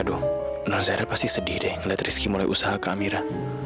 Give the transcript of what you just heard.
aduh nazara pasti sedih deh ngeliat rizky mulai usaha ke amira